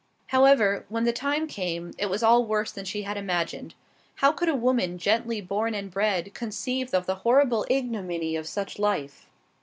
However, when the time came, it was all worse than she had imagined. How could a woman gently born and bred conceive of the horrible ignominy of such a life?